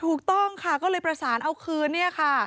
ถูกต้องค่ะก็เลยประสานเอาคืนเนี่ยค่ะ